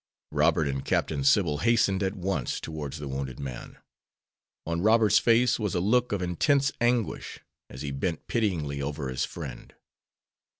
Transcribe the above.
Robert and Captain Sybil hastened at once towards the wounded man. On Robert's face was a look of intense anguish, as he bent pityingly over his friend.